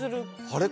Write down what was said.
あれ